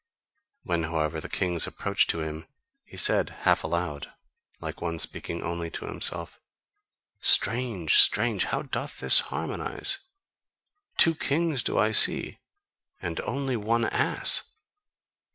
When however the kings approached to him, he said half aloud, like one speaking only to himself: "Strange! Strange! How doth this harmonise? Two kings do I see and only one ass!"